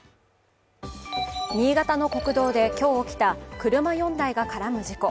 新潟の国道で今日起きた車４台が絡む事故。